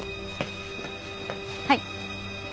はい。